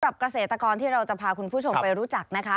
เกษตรกรที่เราจะพาคุณผู้ชมไปรู้จักนะคะ